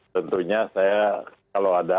tentunya saya kalau ada